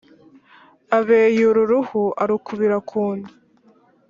abeyura uruhu a ru kubira ku nda,